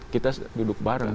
kita duduk bareng